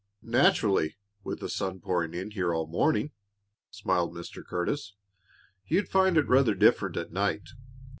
"Naturally, with the sun pouring in here all the morning," smiled Mr. Curtis. "You'd find it rather different at night.